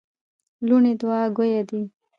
لوڼي دوعا ګویه دي.